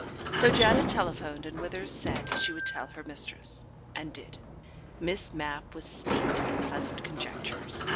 So Janet telephoned and Withers said she would tell her mistress. And did. Miss Mapp was steeped in pleasant conjectures.